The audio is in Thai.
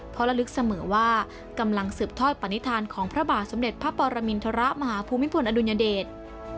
เพราะระลึกเสมอว่ากำลังสืบถ้อยปรณิธานของพระบาทสำเร็จพระปรมิณฑระมหาภูมิภวรอดุญเดช